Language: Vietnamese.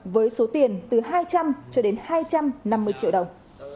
với số tiền từ hai trăm linh cho đến hai trăm năm mươi triệu đồng